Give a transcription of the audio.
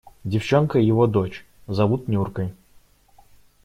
Девчонка – его дочь, зовут Нюркой.